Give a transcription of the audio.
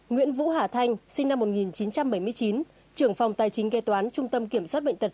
nguyễn vũ hà thanh sinh năm một nghìn chín trăm bảy mươi chín trưởng phòng tài chính kế toán trung tâm kiểm soát bệnh tật